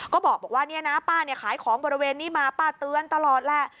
ก็บอกว่าป้าขายของบริเวณนี้มาป้าเตือนตลอดแล้ว